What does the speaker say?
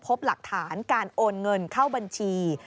พบหลักฐานการโอนเงินเข้าบัญชี